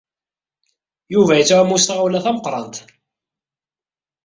Yuba yettɛumu s tɣawla tameqrant.